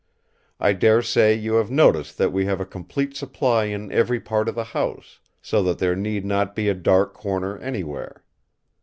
I dare say you have noticed that we have a complete supply in every part of the house, so that there need not be a dark corner anywhere.